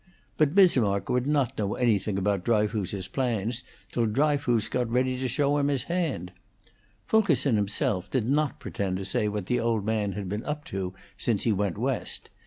But Bismarck would not know anything about Dryfoos's plans till Dryfoos got ready to show his hand. Fulkerson himself did not pretend to say what the old man had been up to since he went West.